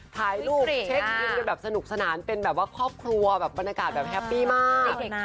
ถ่ายรูปเช็คอินกันแบบสนุกสนานเป็นแบบว่าครอบครัวแบบบรรยากาศแบบแฮปปี้มาก